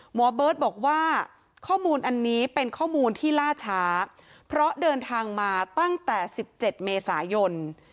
หมอเบิร์ตบอกว่าข้อมูลอันนี้เป็นข้อมูลที่ล่าช้าเพราะเดินทางมาตั้งแต่๑๗เมษายน